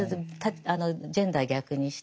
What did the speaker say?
ジェンダー逆にして。